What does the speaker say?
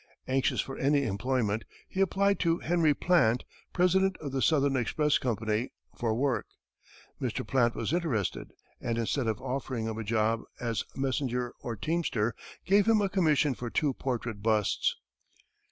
Anxious for any employment, he applied to Henry Plant, President of the Southern Express Company, for work. Mr. Plant was interested, and instead of offering him a job as messenger or teamster, gave him a commission for two portrait busts.